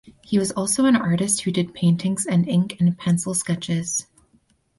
He was also an artist who did paintings and ink and pencil sketches.